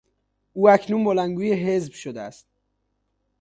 او اکنون بلندگوی حزب شده است.